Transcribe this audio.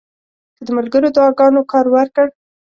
که د ملګرو دعاګانو کار ورکړ.